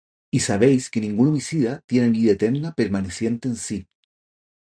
y sabéis que ningún homicida tiene vida eterna permaneciente en sí.